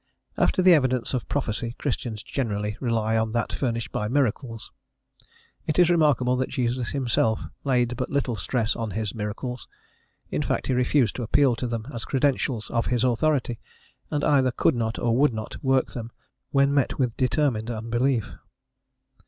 After the evidence of prophecy Christians generally rely on that furnished by miracles. It is remarkable that Jesus himself laid but little stress on his miracles; in fact, he refused to appeal to them as credentials of his authority, and either could not or would not work them when met with determined unbelief.